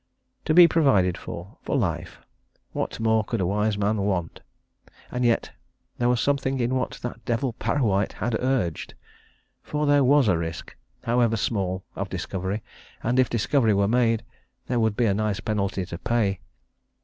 To be provided for, for life! what more could a wise man want? And yet there was something in what that devil Parrawhite had urged. For there was a risk however small of discovery, and if discovery were made, there would be a nice penalty to pay.